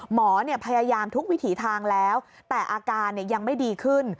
หมอพยายามทุกวิถีทางแล้วแต่อาการยังไม่ดีขึ้น